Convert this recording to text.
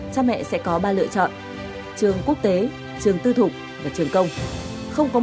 cha mẹ sẽ có ba lựa chọn trường quốc tế trường tư thục và trường công